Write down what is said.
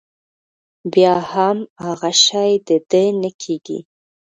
بيا هم هغه شی د ده نه کېږي.